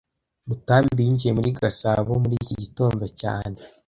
Rutambi yinjiye muri Gasabo muri iki gitondo cyane